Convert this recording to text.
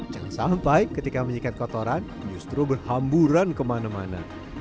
jangan sampai ketika menyikat kotoran justru berhamburan kemana mana